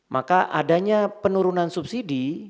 maka adanya penurunan subsidi